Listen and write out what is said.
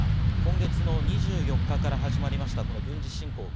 先月２４日から始まりました軍事侵攻。